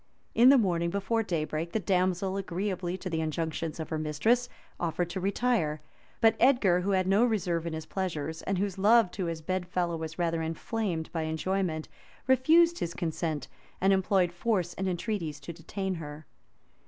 In the morning, before daybreak, the damsel, agreeably to the injunctions of her mistress, offered to retire; but Edgar, who had no reserve in his pleasures, and whose love to his bed fallow was rather inflamed by enjoyment, refused his consent, and employed force and entreaties to detain her.